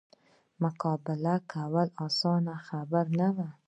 مقابله کول اسانه خبره نه وه.